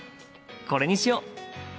これにしよう！